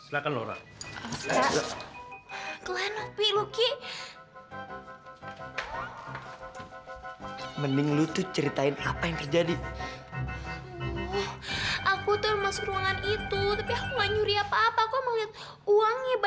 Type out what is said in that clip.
sampai jumpa di video selanjutnya